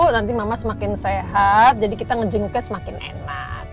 nanti mama semakin sehat jadi kita ngejenguknya semakin enak